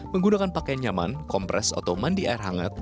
menggunakan pakaian nyaman kompres atau mandi air hangat